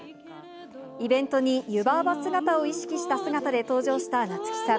イベントに湯婆婆姿を意識した姿で登場した夏木さん。